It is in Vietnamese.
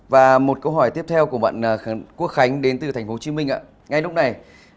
và một câu hỏi tiếp theo của bạn quốc khánh đến từ thành phố hồ chí minh ạ ngay lúc này